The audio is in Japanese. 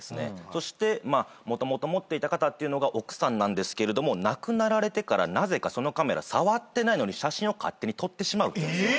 そしてもともと持っていた方っていうのが奥さんなんですけれども亡くなられてからなぜかそのカメラ触ってないのに写真を勝手に撮ってしまうんですよ。